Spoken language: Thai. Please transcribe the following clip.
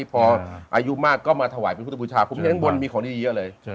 พออายุมากก็มาถวายเป็นพุทธบูชาคุณเพียงบนมีของนี้เยอะเลย